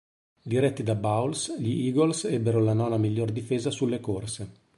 Diretti da Bowles, gli Eagles ebbero la nona miglior difesa sulle corse.